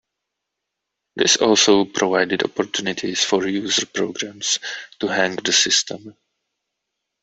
This also provided opportunities for user programs to hang the system.